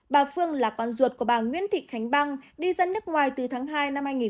bà phương là con ruột của bà nguyễn thị khánh băng đi dân nước ngoài từ tháng hai năm hai nghìn một mươi